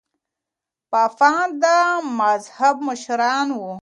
پاپان د مذهب مشران وو.